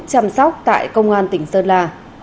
chăm sóc tại công an tỉnh sơn la